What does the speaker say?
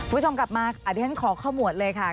ผู้ชมกลับมาอาทิตย์ขอเข้าหมวดเลยค่ะ